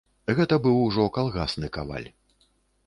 Гэта быў ужо калгасны каваль.